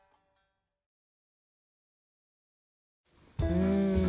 うん。